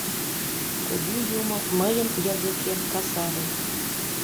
— Кугу юмо, мыйын языкем касаре!